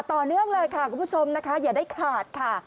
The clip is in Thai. ต่อเนื่องเลยค่ะคุณผู้ชมนะคะอย่าได้ขาดค่ะ